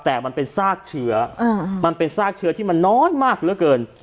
แต่มันเป็นซากเชื้อมันเป็นซากเชื้อที่มันนอนมากเหลือเกิน